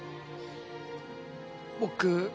僕。